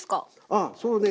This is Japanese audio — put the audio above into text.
ああそうね。